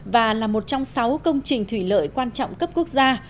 và là một trong sáu công trình thủy lợi quan trọng cấp quốc gia